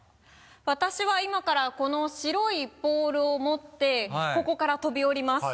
私は今からこの白いポールを持ってここから飛び降ります。